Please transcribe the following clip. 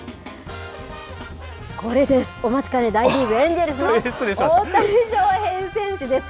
お待ちかね、大リーグ・エンジェルスの大谷翔平選手です。